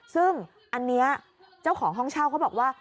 ซึ่งอันนี้เจ้าของห้องเช่าเขาบอกว่า